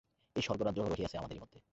এই স্বর্গরাজ্য রহিয়াছে আমাদেরই মধ্যে।